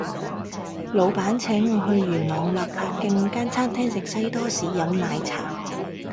老闆請我去元朗納柏徑間餐廳食西多士飲奶茶